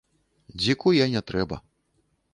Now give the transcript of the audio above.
Дзіку я не трэба.